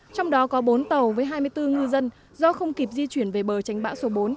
trong đó có bốn tàu với hai mươi bốn ngư dân do không kịp di chuyển về bờ tránh bão số bốn